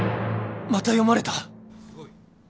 また読まれた。